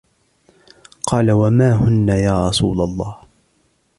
قَالَ وَمَا هُنَّ يَا رَسُولَ اللَّهِ